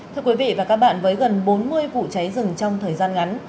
thưa quý vị và các bạn với gần bốn mươi vụ cháy rừng trong thời gian ngắn